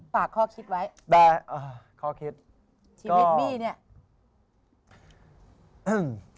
ฝากข้อคิดไว้ข้อคิดก็ชีวิตบี้เนี่ย